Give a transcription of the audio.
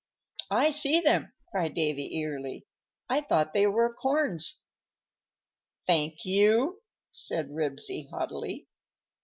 _ "I see them," cried Davy, eagerly; "I thought they were corns." "Thank you," said Ribsy, haughtily.